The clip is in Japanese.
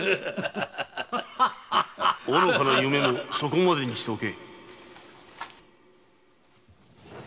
・愚かな夢もそこまでにしておけ！